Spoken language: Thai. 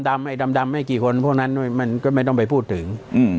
ดำให้กี่คนไม่ก็ไปพูดถึง